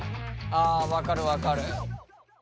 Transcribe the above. あ分かる分かる。